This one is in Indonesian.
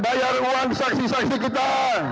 bayar uang saksi saksi kita